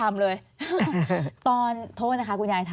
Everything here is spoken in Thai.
อันดับ๖๓๕จัดใช้วิจิตร